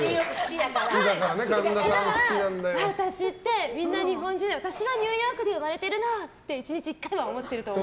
だから私って日本人だけど私はニューヨークで生まれてるのって１日１回は思ってると思う。